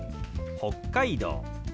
「北海道」。